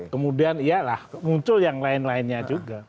kemudian iyalah muncul yang lain lainnya juga